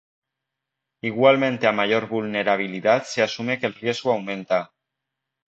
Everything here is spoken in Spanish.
Igualmente a mayor vulnerabilidad se asume que el riesgo aumenta.